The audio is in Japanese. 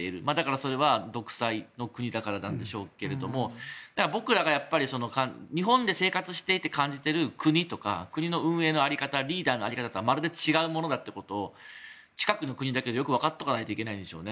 それは独裁の国だからなんでしょうけど僕らが日本で生活していて感じている国だとか国の運営の在り方リーダーの在り方とまるで違うということを近くの国でもわかっておかないといけないですね。